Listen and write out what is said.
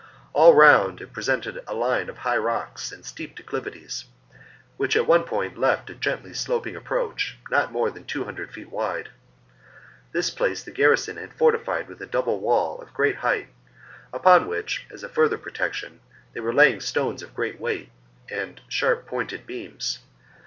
^ All round, it presented a line of high rocks and steep declivities, which at one point left a gently sloping approach, not more than two hundred feet wide. This place the garrison had fortified with a double wall of great height, upon which, as a further protec tion, they were laying stones of great weight and sharp pointed beams.